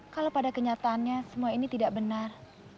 kalau pada kenyataannya semua ini tidak benar